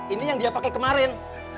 ini yang dia pakai kemarin